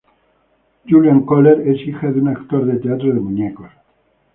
Juliane Köhler es hija de un actor de teatro de muñecos.